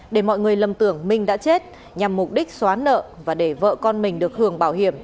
để mọi người lầm tưởng minh đã chết nhằm mục đích xóa nợ và để vợ con mình được hưởng bảo hiểm